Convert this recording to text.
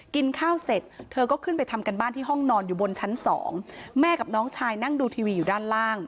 กินข้าวเสร็จเธอก็ขึ้นไปทำการบ้านที่ห้องนอนอยู่บนชั้นสองแม่กับน้องชายนั่งดูทีวีอยู่ด้านล่าง